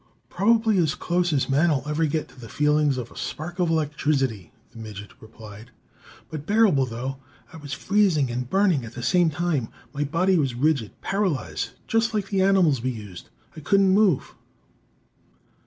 "Probably as close as man'll ever get to the feelings of a spark of electricity!" the midget replied. "But bearable, though I was freezing and burning at the same time. My body was rigid, paralyzed just like the animals we used. I couldn't move."